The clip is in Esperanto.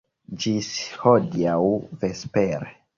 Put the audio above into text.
Ĝis hodiaŭ vespere.